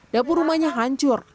dapur rumahnya hancur